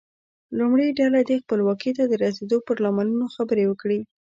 لومړۍ ډله دې خپلواکۍ ته د رسیدو پر لاملونو خبرې وکړي.